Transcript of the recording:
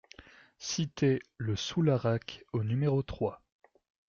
Cité le Soularac au numéro trois